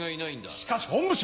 しかし本部長。